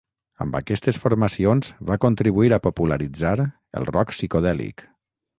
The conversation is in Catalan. Amb aquestes formacions, va contribuir a popularitzar el rock psicodèlic.